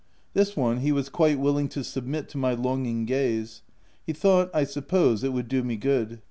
This one he was quite willing to submit to my longing gaze : he thought, I sup pose, it would do me good.